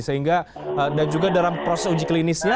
sehingga dan juga dalam proses uji klinisnya